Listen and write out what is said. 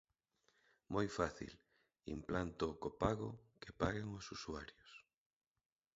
Moi fácil, implanto o copago, que paguen os usuarios.